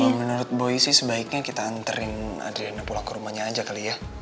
kalau menurut boy sih sebaiknya kita anterin adriana pulang ke rumahnya aja kali ya